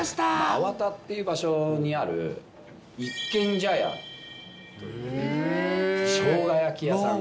粟田っていう場所にある一軒茶屋っていうしょうが焼き屋さん。